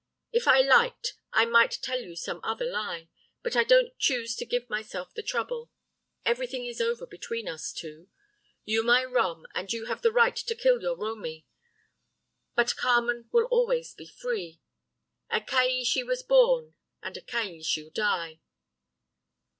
If I liked, I might tell you some other lie, but I don't choose to give myself the trouble. Everything is over between us two. You are my rom, and you have the right to kill your romi, but Carmen will always be free. A calli she was born, and a calli she'll die.